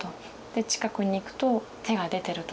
近くに行くと手が出てると。